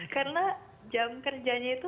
karena jam kerjanya itu